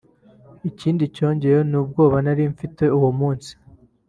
ikindi cyangoye ni ubwoba nari mfite uwo munsi